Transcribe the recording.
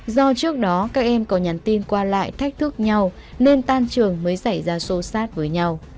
do trước đó các em có nhắn tin qua lại thách thước nhau nên tan trường mới xảy ra xô xát với nhau